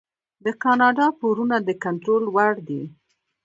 د کاناډا پورونه د کنټرول وړ دي.